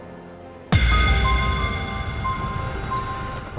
tidak ada apa apa